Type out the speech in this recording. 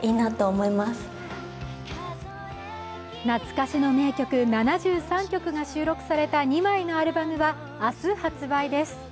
懐かしの名曲７３曲が収録された２枚のアルバムは明日発売です。